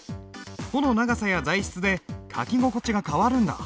穂の長さや材質で書き心地が変わるんだ。